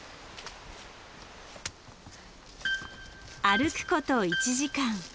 歩くこと１時間。